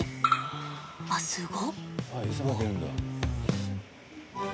あっ、すご。